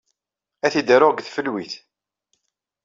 Ad t-id-aruɣ deg tfelwit.